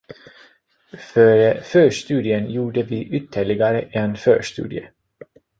Före förstudien gjorde vi ytterligare en förstudie